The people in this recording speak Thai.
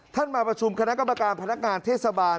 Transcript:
มาประชุมคณะกรรมการพนักงานเทศบาล